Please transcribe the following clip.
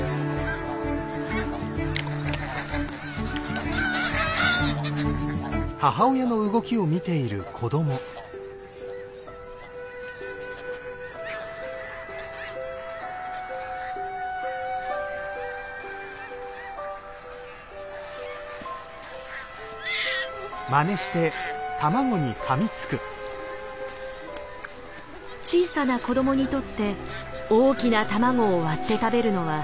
小さな子どもにとって大きな卵を割って食べるのは簡単ではない。